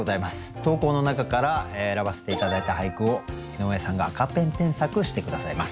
投稿の中から選ばせて頂いた俳句を井上さんが赤ペン添削して下さいます。